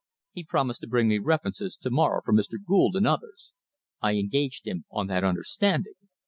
He promised to bring me references to morrow from Mr. Gould and others. I engaged him on that understanding.